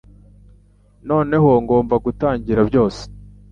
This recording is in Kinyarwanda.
Noneho ngomba gutangira byose.